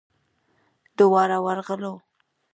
دواړه ورغلو.